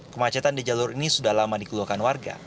kemacetan di jalur ini sudah lama dikeluarkan warga